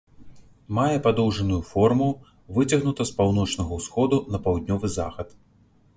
Мае падоўжаную форму, выцягнута з паўночнага ўсходу на паўднёвы захад.